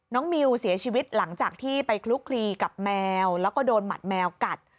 มิวเสียชีวิตหลังจากที่ไปคลุกคลีกับแมวแล้วก็โดนหมัดแมวกัด